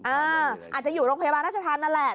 อาจจะอยู่โรงพยาบาลราชธรรมนั่นแหละ